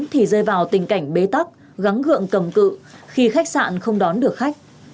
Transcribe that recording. thì rơi vào tình cảnh bế tắc gắn gượng cầm cự khi khách sạn không đón được khách